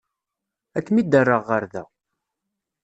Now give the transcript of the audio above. Ad kem-id-rreɣ ɣer da.